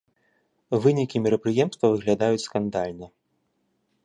Вынікі мерапрыемства выглядаюць скандальна.